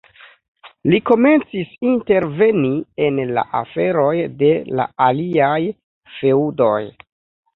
Li komencis interveni en la aferoj de la aliaj feŭdoj.